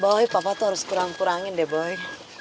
bahwa papa tuh harus kurang kurangin deh boy